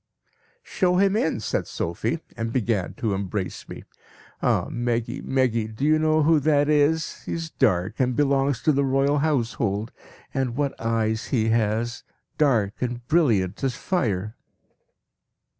"'Show him in!' said Sophie, and began to embrace me. 'Ah! Meggy, Meggy, do you know who that is? He is dark, and belongs to the Royal Household; and what eyes he has! Dark and brilliant as fire.'